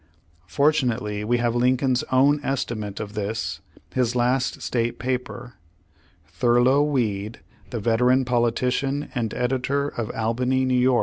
Fortunately we have Lincoln's own estimate of this, his last state paper. Thurlow Weed, the Page One Ilundred seventy one veteran politician and editor, of Albany, N. Y.